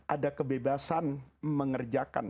ada kebebasan mengerjakan